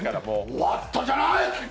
終わったじゃない！